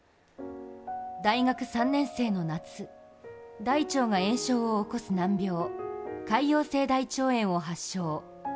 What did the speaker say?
大学３年生の夏、大腸が炎症を起こす難病、潰瘍性大腸炎を発症。